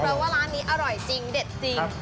เพราะว่าร้านนี้อร่อยจริงเด็ดจริง